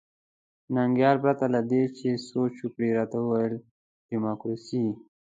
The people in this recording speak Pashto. ننګیال پرته له دې چې سوچ وکړي راته وویل ډیموکراسي.